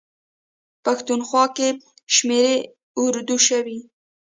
پښتونخوا کې شمېرې اردو شوي.